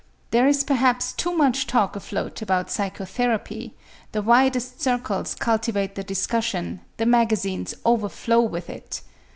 There is perhaps too much talk afloat about psychotherapy, the widest circles cultivate the discussion, the magazines overflow with it.